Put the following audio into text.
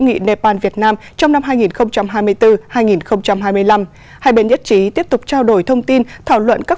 nghị nepal việt nam trong năm hai nghìn hai mươi bốn hai nghìn hai mươi năm hai bên nhất trí tiếp tục trao đổi thông tin thảo luận các